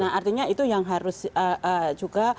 nah artinya itu yang harus juga